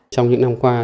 trong những năm qua